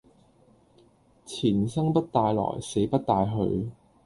錢生不帶來死不帶去